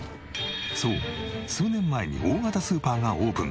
そう数年前に大型スーパーがオープン。